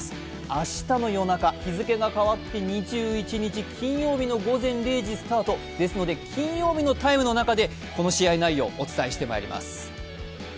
明日の夜中、日付が変わっ２１日金曜日の午前０時スタートですので金曜日の「ＴＩＭＥ，」の中でこの試合内容、お伝えしてまいります。